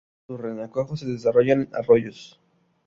Sus renacuajos se desarrollan en arroyos.